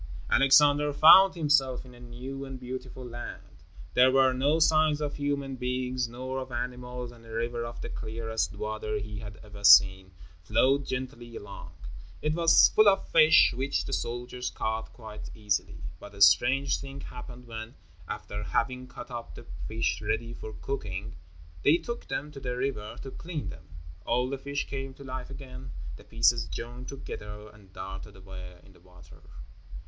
Alexander found himself in a new and beautiful land. There were no signs of human beings, nor of animals, and a river of the clearest water he had ever seen, flowed gently along. It was full of fish which the soldiers caught quite easily. But a strange thing happened when, after having cut up the fish ready for cooking, they took them to the river to clean them. All the fish came to life again; the pieces joined together and darted away in the water.